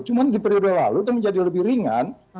cuma di periode lalu itu menjadi lebih ringan